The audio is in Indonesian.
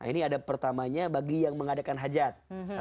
ini ada pertamanya bagi yang mengadakan hajat